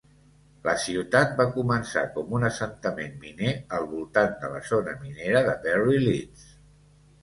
La ciutat va començar com un assentament miner al voltant de la zona minera de Berry Leads.